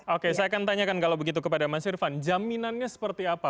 oke saya akan tanyakan kalau begitu kepada mas irvan jaminannya seperti apa